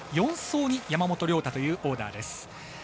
４走に山本涼太というオーダーです。